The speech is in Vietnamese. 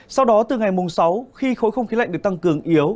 sau đó từ ngày mùng sáu khi khối không khí lạnh được tăng cường yếu